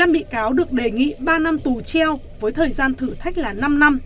năm bị cáo được đề nghị ba năm tù treo với thời gian thử thách là năm năm